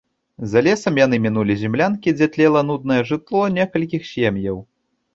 За лесам яны мінулі зямлянкі, дзе тлела нуднае жытло некалькіх сем'яў.